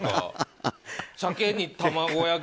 鮭に卵焼き。